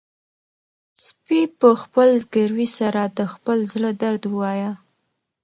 سپي په خپل زګیروي سره د خپل زړه درد ووايه.